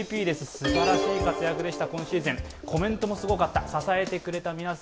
すばらしい活躍でした、今シーズンコメントもすごかった。